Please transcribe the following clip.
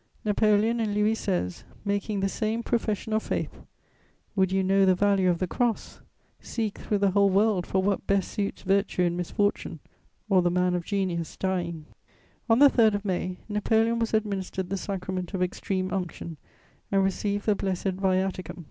Napoleon and Louis XVI. making the same profession of faith! Would you know the value of the Cross? Seek through the whole world for what best suits virtue in misfortune or the man of genius dying. [Sidenote: Death of Napoleon.] On the 3rd of May, Napoleon was administered the sacrament of Extreme Unction and received the Blessed Viaticum.